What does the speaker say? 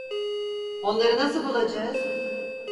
Onları nasıl bulacağız?